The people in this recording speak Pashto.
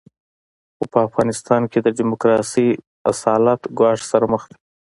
خو په افغانستان کې د ډیموکراسۍ اصالت ګواښ سره مخ دی.